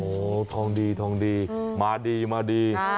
โอ้โหทองดีทองดีมาดีมาดี